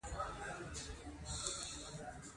غوښې د افغانستان د ځمکې د جوړښت نښه ده.